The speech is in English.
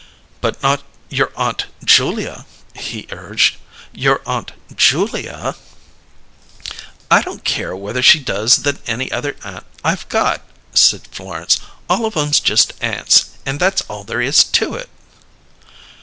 "But not your Aunt Julia" he urged. "Your Aunt Julia " "I don't care whether she does than any other aunt I got," said Florence. "All of 'em's just aunts, and that's all there is to it."